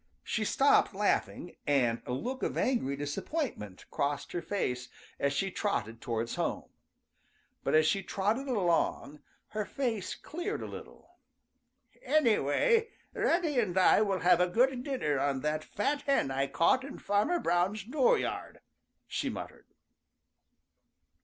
She stopped laughing, and a look of angry disappointment crossed her face as she trotted towards home. But as she trotted along, her face cleared a little. "Any way, Reddy and I will have a good dinner on that fat hen I caught in Farmer Brown's dooryard," she muttered.